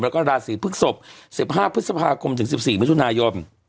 แล้วก็ราศีพฤกษพ๑๕พฤษภาคมถึง๑๔มิถุนายน